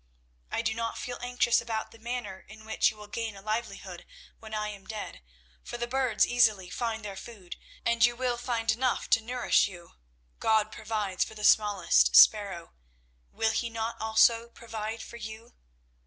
I do not feel anxious about the manner in which you will gain a livelihood when I am dead, for the birds easily find their food, and you will find enough to nourish you. God provides for the smallest sparrow; will He not also provide for you?